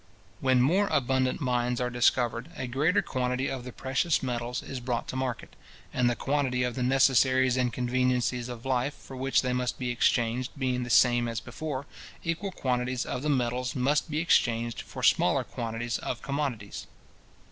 When more abundant mines are discovered, a greater quantity of the precious metals is brought to market; and the quantity of the necessaries and conveniencies of life for which they must be exchanged being the same as before, equal quantities of the metals must be exchanged for smaller quantities of commodities.